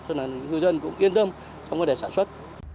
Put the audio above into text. cho nên ngư dân cũng yên tâm trong vấn đề sản xuất